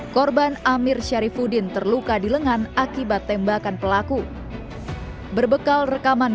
korban amir syarifudin terluka di lengan akibat tembakan pelaku berbekal rekaman